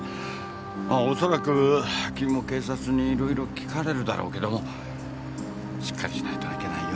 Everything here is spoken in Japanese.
おそらく君も警察に色々聞かれるだろうけどもしっかりしないといけないよ。ね。